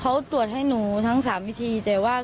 เขาตรวจให้หนูทั้งสามวิธี